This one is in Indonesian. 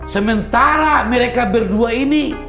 sementara mereka berdua ini